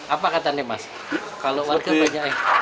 apa katanya mas kalau warga banyak